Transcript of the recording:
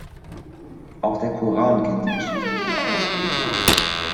Auch der Koran kennt die Geschichte von Adam und Eva.